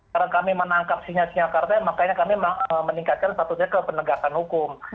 karena kami menangkap sinyal sinyal kartanya makanya kami meningkatkan patutnya ke penegakan hukum